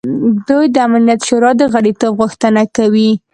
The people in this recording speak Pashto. دوی د امنیت شورا د غړیتوب غوښتنه کوي.